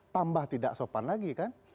tambah tidak sopan lagi kan